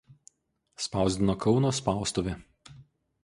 Spausdino Kauno spaustuvė.